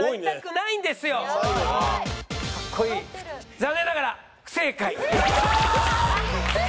残念ながら不正解。え！？え！？